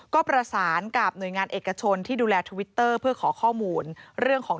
ก็ประสานกับหน่วยงานเอกชนที่ดูแลทวิตเตอร์เพื่อขอข้อมูลเรื่องของ